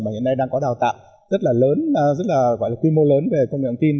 mà hiện nay đang có đào tạo rất là lớn rất là gọi là quy mô lớn về công nghệ thông tin